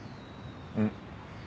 うん。